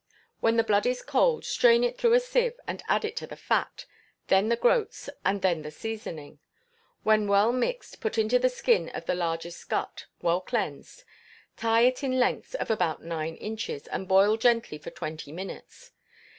When the blood is cold, strain it through a sieve, and add to it the fat, then the groats, and then the seasoning. When well mixed, put it into the skin of the largest gut, well cleansed; tie it in lengths of about nine inches, and boil gently for twenty minutes.